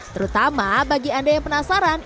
terutama bagi anda yang penasaran